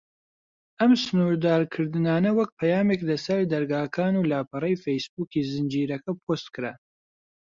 ئەم سنوردارکردنانە وەک پەیامێک لە سەر دەرگاکان و لاپەڕەی فەیس بووکی زنجیرەکە پۆست کران.